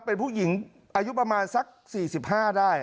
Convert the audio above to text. เป็นผู้หญิงอายุประมาณสัก๔๕ได้